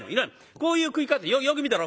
こういう食い方よく見てろ。